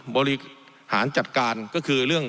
บริหารจัดการก็คือเรื่อง